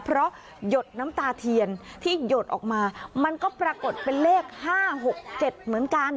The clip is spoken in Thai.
เพราะหยดน้ำตาเทียนที่หยดออกมามันก็ปรากฏเป็นเลข๕๖๗เหมือนกัน